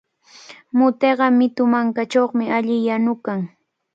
Mutiqa mitu mankachawmi alli yanukan.